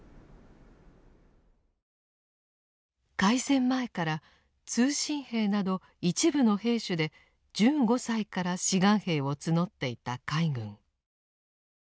開戦前から「通信兵」など一部の兵種で１５歳から「志願兵」を募っていた海軍。